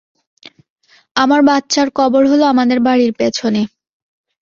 আমার বাচ্চার কবর হল আমাদের বাড়ির পেছনে।